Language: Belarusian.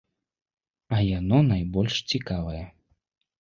А яно найбольш цікавае.